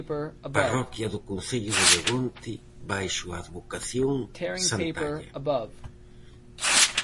Parroquia do concello de Begonte baixo a advocación Santalla.